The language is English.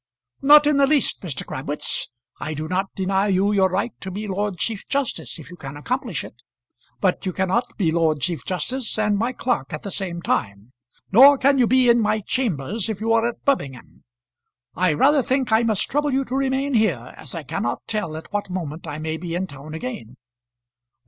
"Not in the least, Mr. Crabwitz. I do not deny you your right to be Lord Chief Justice, if you can accomplish it. But you cannot be Lord Chief Justice and my clerk at the same time. Nor can you be in my chambers if you are at Birmingham. I rather think I must trouble you to remain here, as I cannot tell at what moment I may be in town again."